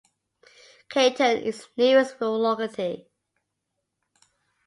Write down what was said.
Katun is the nearest rural locality.